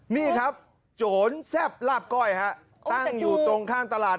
นี่ครับโจรแซ่บลาบก้อยฮะตั้งอยู่ตรงข้างตลาด